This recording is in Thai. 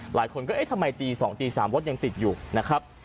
หลายคนก็เอ๊ะทำไมตี๒ตี๓รถยังติดอยู่นะครับ